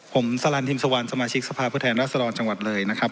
ผมเมซานสลัมสมาชิกสภาพเวทัยร้าส่วนจังหวัดเลยนะครับ